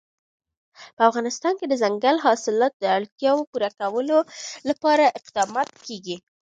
په افغانستان کې د دځنګل حاصلات د اړتیاوو پوره کولو لپاره اقدامات کېږي.